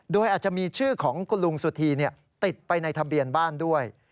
โดยอาจจะมีชื่อของคุณลุงสุธีติดไปในทะเบียนบ้านด้วย